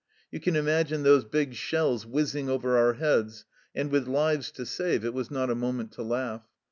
You can imagine those big shells whizzing over our heads, and with lives to save, it was not a moment to laugh.